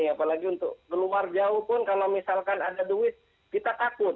apalagi untuk keluar jauh pun kalau misalkan ada duit kita takut